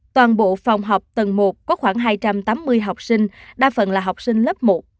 toàn bộ phòng học tầng một có khoảng hai trăm tám mươi học sinh đa phần là học sinh lớp một